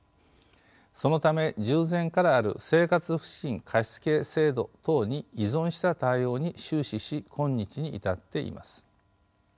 そのため従前からある生活福祉資金貸付制度等に依存した対応に終始し今日に至っています。